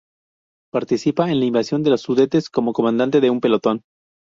Participa en la Invasión de los Sudetes como comandante de un pelotón.